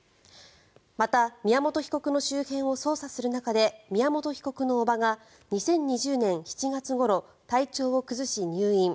また、宮本被告の周辺を捜査する中で宮本被告の叔母が２０２０年７月ごろ体調を崩し入院。